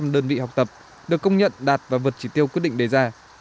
năm mươi đơn vị học tập được công nhận đạt và vượt chỉ tiêu quyết định đề ra